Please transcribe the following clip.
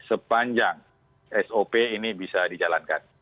sepanjang sop ini bisa dijalankan